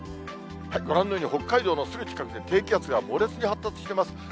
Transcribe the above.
ご覧のように、北海道のすぐ近くで、低気圧が猛烈に発達しています。